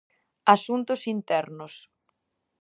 Asuntos internos.